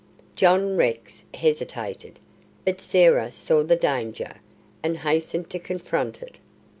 John Rex hesitated, but Sarah saw the danger, and hastened to confront it.